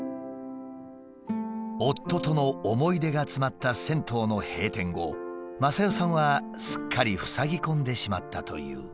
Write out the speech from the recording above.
夫との思い出が詰まった銭湯の閉店後雅代さんはすっかりふさぎ込んでしまったという。